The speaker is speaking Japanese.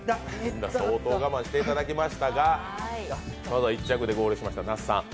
相当我慢していただきましたが、１着でゴールしました那須君。